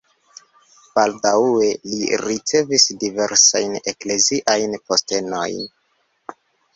Baldaŭe li ricevis diversajn ekleziajn postenojn.